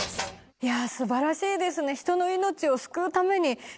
いや素晴らしいですね。